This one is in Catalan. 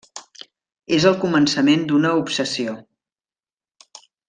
És el començament d'una obsessió.